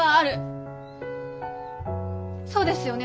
そうですよね